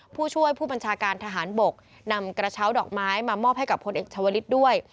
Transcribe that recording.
ผู้ช่วยผู้บัญชาการทหารบกนำกระเช้าดอกไม้มามอบให้กับพลเอกชาวลิศด้วย